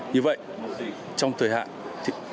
như vậy trong thời hạn